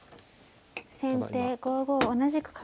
先手５五同じく角。